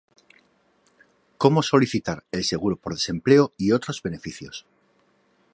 Cómo solicitar el seguro por desempleo y otros beneficios